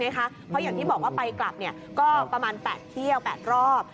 เพราะอย่างที่บอกว่าไปกลับก็ประมาณ๘เที่ยว๘รอบ